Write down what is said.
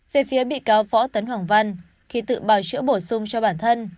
về phía bị cáo võ tấn hoàng văn khi tự bào chữa bổ sung cho bản thân